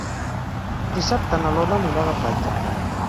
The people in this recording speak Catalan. Dissabte na Lola anirà a la platja.